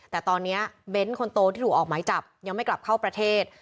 แต่ตอนนี้เบ้นคนโตที่ถูกออกหมายจับยังไม่กลับเข้าประเทศ